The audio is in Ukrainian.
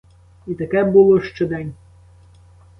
І таке було що день.